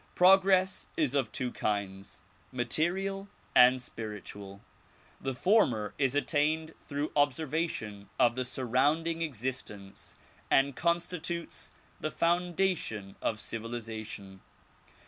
Progress is of two kinds, material and spiritual. The former is attained through observation of the surrounding existence and constitutes the foundation of civilization.